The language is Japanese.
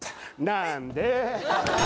何で？